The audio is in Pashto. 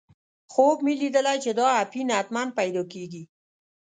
خوب مې لیدلی چې دا اپین حتماً پیدا کېږي.